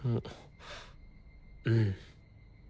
うん。